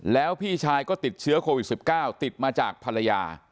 แล้วพี่ชายก็ติดเชื้อโควิด๑๙ติดมาจากภรรยา